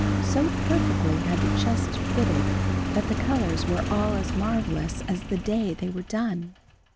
So perfectly had the chest fitted that the colours were all as marvellous as the day they were done.